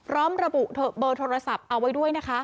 ระบุเบอร์โทรศัพท์เอาไว้ด้วยนะคะ